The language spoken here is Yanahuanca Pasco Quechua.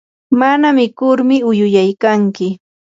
mana mikurmi uyuyaykanki.